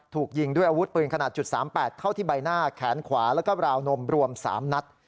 ถูกยิงด้วยอาวุธปืนขนาด๓๘เข้าที่ใบหน้าแขนขวาแล้วก็ราวนมรวม๓นัด